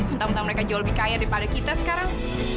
entah entah mereka jauh lebih kaya daripada kita sekarang